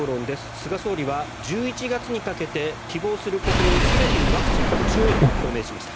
菅総理は１１月にかけて希望する国民に全てワクチンを打ち終えると発表しました。